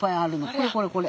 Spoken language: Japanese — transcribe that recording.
これこれこれ。